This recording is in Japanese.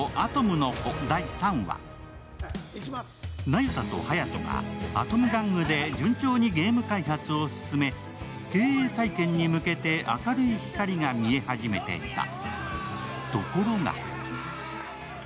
那由他と隼人がアトム玩具で順調にゲーム開発を進め経営再建に向けて明るい光が見え始めてきた。